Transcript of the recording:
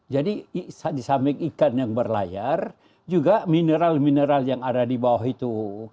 jadi disambing ikan yang berlayar juga mineral mineral yang ada di bawah itu